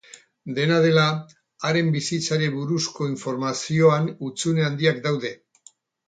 Dena dela, haren bizitzari buruzko informazioan hutsune handiak daude.